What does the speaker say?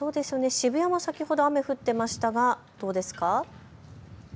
渋谷は先ほど雨降っていましたがどうですか。